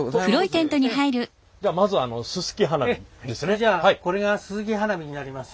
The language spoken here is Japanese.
それじゃあこれがすすき花火になります。